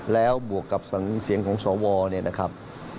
แล้วบวกกับเสียงของสวเนี่ยนะครับ